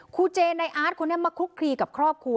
เจในอาร์ตคนนี้มาคุกคลีกับครอบครัว